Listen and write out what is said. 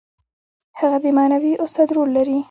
هغه د معنوي استاد رول لري.